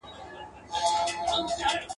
هغه وخت چي دی د مرګ په رنځ رنځور سو ..